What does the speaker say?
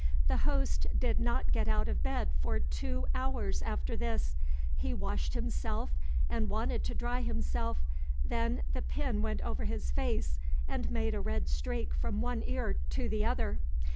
The host did not get out of bed for two hours after this; he washed himself and wanted to dry himself, then the pin went over his face and made a red streak from one ear to the other.